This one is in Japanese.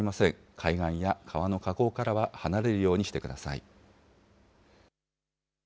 海岸や川の河口からは離れるようにしてください。